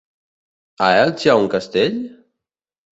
A Elx hi ha un castell?